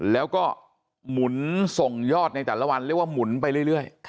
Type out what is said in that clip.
แล้วก็หมุนส่งยอดในแต่ละวันเรียกว่าหมุนไปเรื่อย